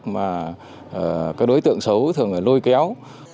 mà các đối tượng xấu thường lôi kéo